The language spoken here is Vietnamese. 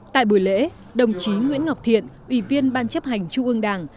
tại buổi lễ đồng chí nguyễn ngọc thiện ủy viên ban chấp hành trung ương đảng